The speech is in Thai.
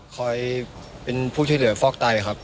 คอยเป็นผู้ที่เหลือฟอกไตต์ครับ